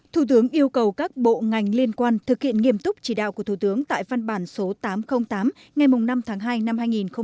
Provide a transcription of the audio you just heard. thủ tướng yêu cầu các bộ ngành liên quan thực hiện nghiêm túc chỉ đạo của thủ tướng tại văn bản số tám trăm linh tám ngày năm tháng hai năm hai nghìn một mươi chín